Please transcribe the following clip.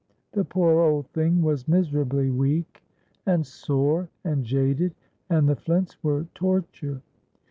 The poor old thing was miserably weak, and sore and jaded, and the flints were torture.